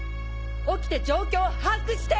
起きて状況を把握して！